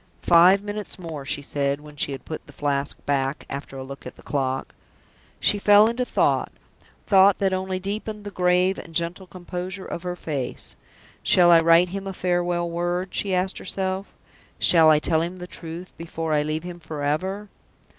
"Five minutes more," she said, when she had put the Flask back, after a look at the clock. She fell into thought thought that only deepened the grave and gentle composure of her face. "Shall I write him a farewell word?" she asked herself. "Shall I tell him the truth before I leave him forever?"